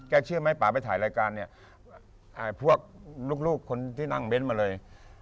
แกเชื่อมั้ยป่าไปถ่ายรายการพวกลูกคนที่นั่งเบ้นมาเลย